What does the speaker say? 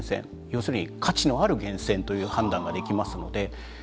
要するに価値のある源泉という判断ができますので。